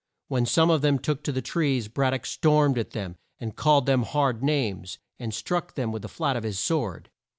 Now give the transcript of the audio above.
When some of them took to the trees, Brad dock stormed at them, and called them hard names, and struck them with the flat of his sword.